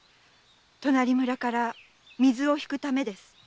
隣村から水を引くためです。